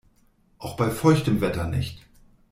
Auch bei feuchtem Wetter nicht.